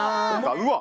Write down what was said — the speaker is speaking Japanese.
うわっ